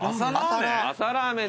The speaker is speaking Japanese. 朝ラーメン？